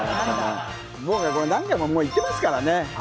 僕、何回も行ってますからね。